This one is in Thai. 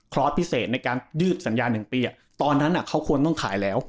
คลอสต์พิเศษในการยืดสัญญาณหนึ่งปีอ่ะตอนนั้นอ่ะเขาควรต้องขายแล้ว